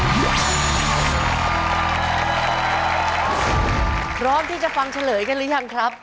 พร้อมที่จะฟังเฉลยกันหรือยังครับ